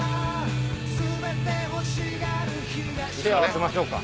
手を合わせましょうか。